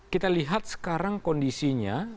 kita lihat sekarang kondisinya